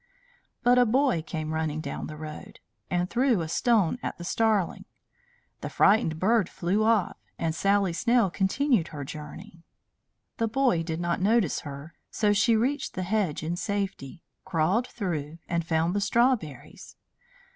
But a boy came running down the road, and threw a stone at the starling. The frightened bird flew off, and Sally Snail continued her journey. The boy did not notice her, so she reached the hedge in safety, crawled through, and found the strawberries.